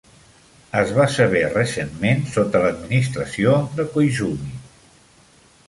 Es va saber recentment sota l'administració de Koizumi.